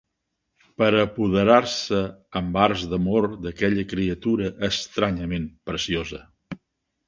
Per a apoderar-se amb arts d'amor d'aquella criatura estranyament preciosa